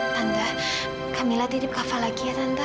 tante kak mila tidur kak fadil lagi ya tante